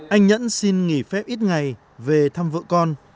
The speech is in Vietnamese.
anh nhẫn xin nghỉ phép ít ngày về thăm vợ con